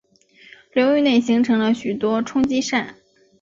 流域内形成了许多冲积扇。